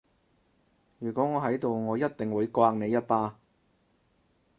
如果我喺度我一定會摑你一巴